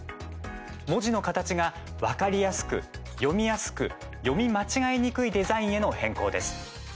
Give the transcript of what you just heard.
文字の形が分かりやすく読みやすく、読み間違えにくいデザインへの変更です。